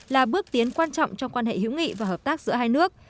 là bước tiến quan trọng trong quan hệ hữu nghị và hợp tác giữa hai nước